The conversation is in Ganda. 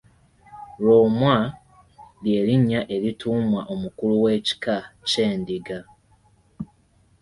Lwomwa, lye linnya erituumwa omukulu w’ekika ky’endiga.